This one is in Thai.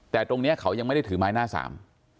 แต่ตรงเนี้ยเขายังไม่ได้ถือไม้หน้าสาม